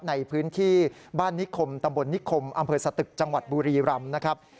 ในพื้นที่บ้านนิคมตำบลนิคมอำเภอสตึกจังหวัดบุรีรำนะครับ